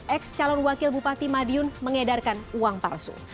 ex calon wakil bupati madiun mengedarkan uang palsu